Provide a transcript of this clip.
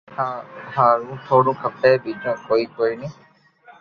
ھارو ٿوڙو کپي ٻيجو ڪوئي ڪوئي ني